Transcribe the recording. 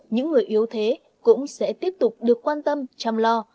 những người yếu thế cũng sẽ tiếp tục được quan tâm chăm lo